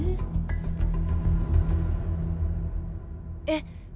えっ？